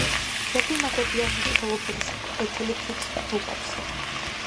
ძეგლი ნაგებია მოწითალო ფერის, ფლეთილი ქვით დუღაბზე.